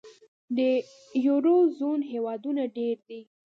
د یورو زون هېوادونه ډېر دي.